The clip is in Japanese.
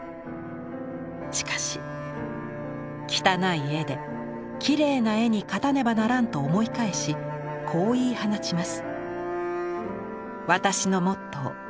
しかし「穢い絵で綺麗な絵に勝たねばならん」と思い返しこう言い放ちます。